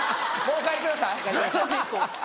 お帰りください